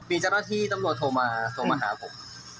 มีเจ้าหน้าที่ตำรวจโทรมาโทรมาหาผม